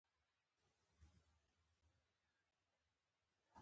له هيچا څخه د هغوى د معاش او تنخوا پوښتنه مه کوئ!